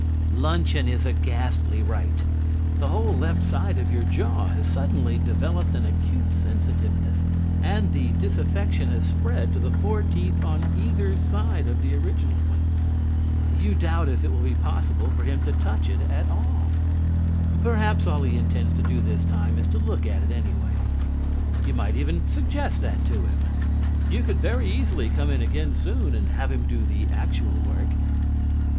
Luncheon is a ghastly rite. The whole left side of your jaw has suddenly developed an acute sensitiveness and the disaffection has spread to the four teeth on either side of the original one. You doubt if it will be possible for him to touch it at all. Perhaps all he intends to do this time is to look at it anyway. You might even suggest that to him. You could very easily come in again soon and have him do the actual work.